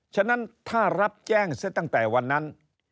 ฉะนั้นถ้ารับแจ้งซะตั้งแต่วันนั้น